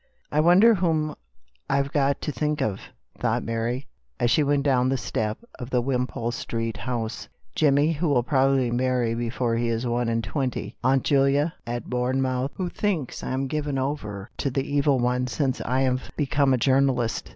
"I wonder who I've got to think of?" thought Mary, as she went down the steps of the trim Mayf air house. " Jimmie, who will probably marry before he is one and twenty ? TWO ULTIMATUMS. 217 Aunt Julia, at Bournemouth, who thinks I am given over to the Evil One since Fve become a journalist.